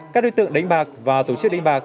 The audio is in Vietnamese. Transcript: các đối tượng đánh bạc và tổ chức đánh bạc